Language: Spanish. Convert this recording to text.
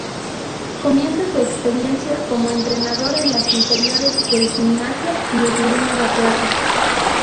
Comienza su experiencia como entrenador en las inferiores de Gimnasia y Esgrima La Plata.